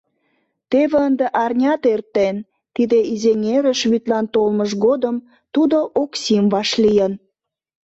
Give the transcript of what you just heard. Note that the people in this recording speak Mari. Теве ынде арнят эртен, тиде Изеҥерыш вӱдлан толмыж годым тудо Оксим вашлийын.